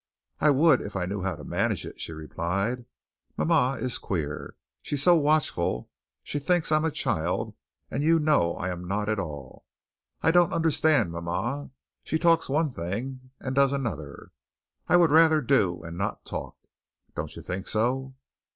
"I would, if I knew how to manage it," she replied. "Mama is queer. She's so watchful. She thinks I'm a child and you know I am not at all. I don't understand mama. She talks one thing and does another. I would rather do and not talk. Don't you think so?"